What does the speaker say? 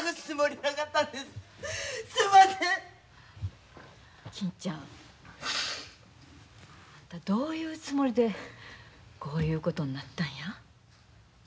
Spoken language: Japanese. あんたどういうつもりでこういうことになったんや？